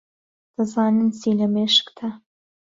دەزانم چی لە مێشکتە.